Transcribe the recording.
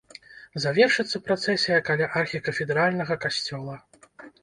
Завершыцца працэсія каля архікафедральнага касцёла.